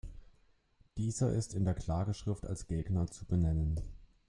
Dieser ist in der Klageschrift als Gegner zu benennen.